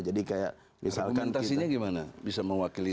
argumentasinya gimana bisa mewakili seluruh populasi